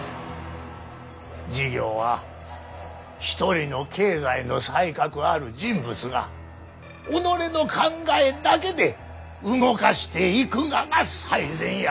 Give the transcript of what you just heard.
事業は一人の経済の才覚ある人物が己の考えだけで動かしていくがが最善や。